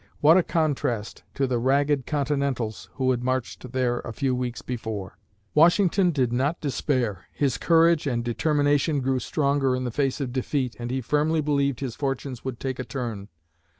What a contrast to the ragged Continentals who had marched there a few weeks before! Washington did not despair. His courage and determination grew stronger in the face of defeat and he firmly believed his fortunes would take a turn.